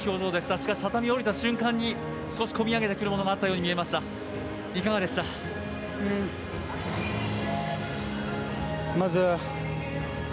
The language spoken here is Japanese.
しかし、畳を下りた瞬間に少し込み上げてくるものがあったように見えました。